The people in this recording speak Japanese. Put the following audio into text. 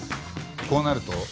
こうなると？